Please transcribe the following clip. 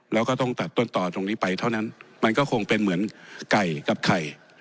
แล้วก็ต้องตัดต้นต่อตรงนี้ไปเท่านั้นมันก็คงเป็นเหมือนไก่กับไข่